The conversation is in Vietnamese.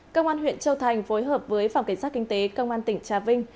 công an huyện châu thành phối hợp với phòng cảnh sát kinh tế công an tỉnh trà vinh